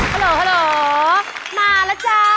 ฮัลโหลมาแล้วจ๊ะ